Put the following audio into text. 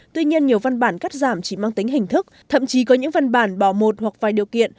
tuy nhiên nhiều văn bản cắt giảm chỉ mang tính hình thức thậm chí có những văn bản bỏ một hoặc vài điều kiện